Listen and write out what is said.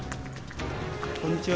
こんにちは。